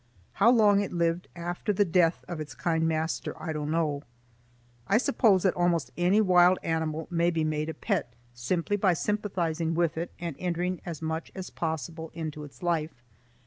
How long it lived after the death of its kind master I don't know. I suppose that almost any wild animal may be made a pet, simply by sympathizing with it and entering as much as possible into its life.